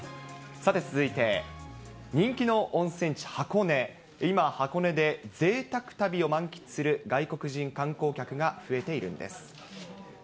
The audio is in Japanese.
さて続いて、人気の温泉地、箱根、今、箱根でぜいたく旅を満喫する外国人観光客が増えているんです。